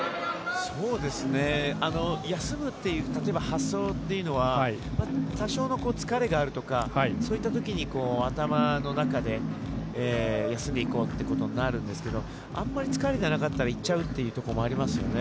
休むっていう発想というのは多少の疲れがあるとかそういった時に頭の中で休んでいこうということになるんですがあんまり疲れてなかったらいっちゃうところもありますよね。